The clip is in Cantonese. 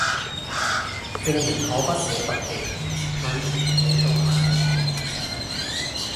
證明可不捨不棄吻停你到下世紀